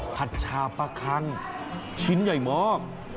ผัดชาปลาคังชิ้นใหญ่มาก